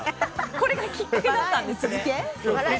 これがきっかけだったんですね。